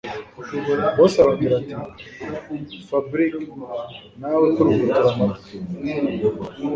Boss arongera atiFabric nawe kurugutura amatwi